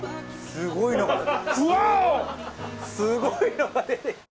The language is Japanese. すごいのが出て。